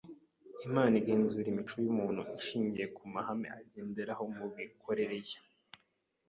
Imana igenzura imico y’umuntu ishingiye ku mahame agenderaho mu mikorere ye